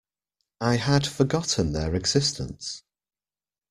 I had forgotten their existence.